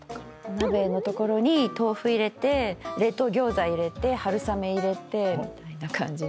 鍋の所に豆腐入れて冷凍餃子入れて春雨入れてみたいな感じで。